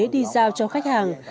đi giao cho khách hàng